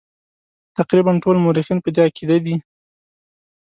تقریبا ټول مورخین په دې عقیده دي.